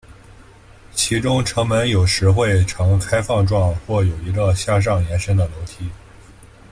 其中城门有时会呈开放状或有一个向上延伸的楼梯。